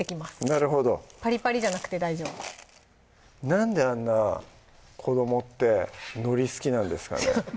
なるほどパリパリじゃなくて大丈夫なんであんな子どもってのり好きなんですかね？